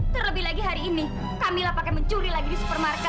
terlebih lagi hari ini kamilah pakai mencuri lagi di supermarket